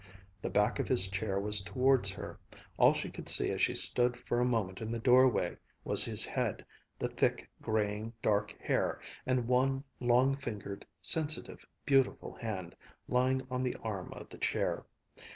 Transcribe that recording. The back of his chair was towards her. All she could see as she stood for a moment in the doorway was his head, the thick, graying dark hair, and one long fingered, sensitive, beautiful hand lying on the arm of the chair.